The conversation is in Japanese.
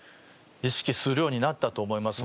意識するようになったと思います。